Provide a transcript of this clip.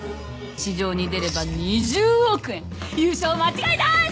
市場に出れば２０億円！優勝間違いなーし！